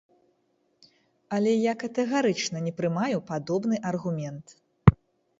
Але я катэгарычна не прымаю падобны аргумент.